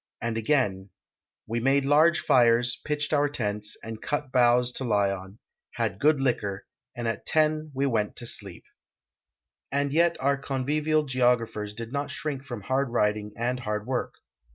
And again, '' We made large fires, pitched our tents, and cut boughs to lie on, had good liquor, and at ten we went to sleep." And 3^et our convivial geographers did not shrink from liard riding and hard work.